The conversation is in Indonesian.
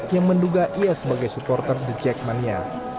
yang menduga ia sebagai supporter the jackmania